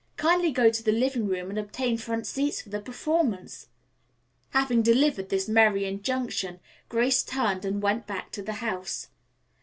Kindly go to the living room and obtain front seats for the performance." Having delivered this merry injunction, Grace turned and went back to the house.